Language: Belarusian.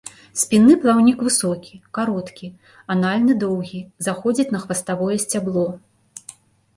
Спінны плаўнік высокі, кароткі, анальны доўгі, заходзіць на хваставое сцябло.